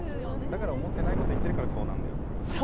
だから思っていないことを言ってるからそうなるんだよ。